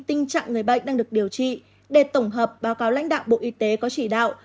tình trạng người bệnh đang được điều trị để tổng hợp báo cáo lãnh đạo bộ y tế có chỉ đạo